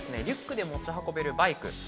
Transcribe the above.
リュックで持ち運べるバイク